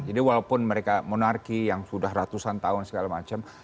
jadi walaupun mereka monarki yang sudah ratusan tahun segala macam